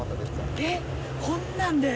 えっ、こんなんで？